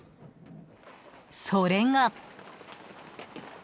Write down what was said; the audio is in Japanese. ［それが］